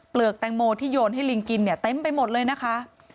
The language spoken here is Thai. เปลือกแตงโมทที่โยนให้ลิงกินเต็มไปหมดเลยนะคะ